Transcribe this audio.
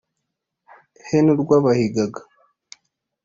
he n'urwabahigaga!